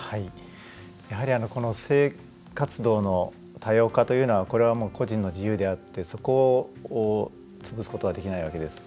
やはり性活動の多様化というのはこれはもう個人の自由であってそこを潰すことはできないわけです。